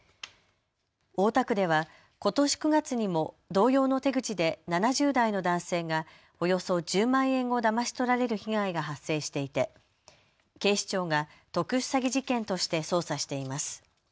大田区ではことし９月にも同様の手口で７０代の男性がおよそ１０万円をだまし取られる被害が発生していて警視庁が特殊詐欺事件として捜査しています。